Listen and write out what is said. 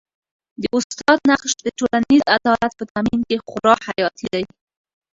د استاد نقش د ټولنیز عدالت په تامین کي خورا حیاتي دی.